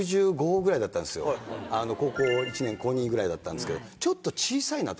高校１年高２ぐらいだったんですけど。